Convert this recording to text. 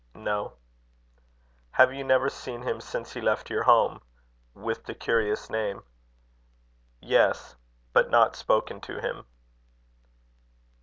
"No." "Have you never seen him since he left your home with the curious name?" "Yes; but not spoken to him."